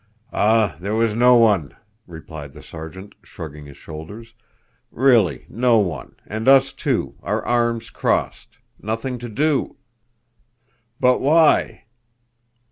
"Ah! there was no one!" replied the Sergeant, shrugging his shoulders "really no one, and us, too, our arms crossed! Nothing to do!" "But why?"